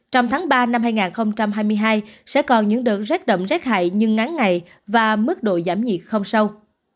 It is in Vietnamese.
trong tháng ba năm hai nghìn hai mươi hai sẽ còn những đợt rét đậm rét hại nhưng ngắn ngày và mức độ giảm nhiệt không sâu